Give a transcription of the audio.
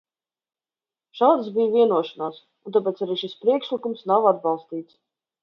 Šādas bija vienošanās, un tāpēc arī šis priekšlikums nav atbalstīts.